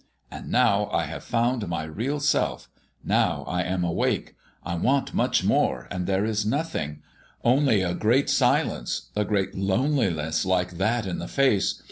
And now I have found my real self, now I am awake, I want much more, and there is nothing only a great silence, a great loneliness like that in the face.